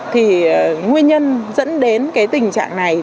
thì nguyên nhân dẫn đến tình trạng này